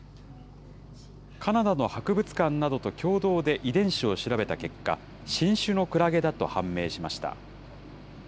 カナダの博物館などと共同で遺伝子を調べた結果、新種のクラゲだと判明しました。